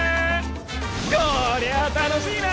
こりゃ楽しいな！